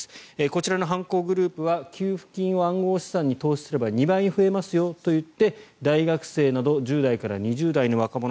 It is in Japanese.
こちらの犯行グループは給付金を暗号資産に投資すれば２倍増えますよと言って大学生など１０代から２０代の若者